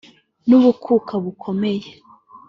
n’ubukaka bukomeye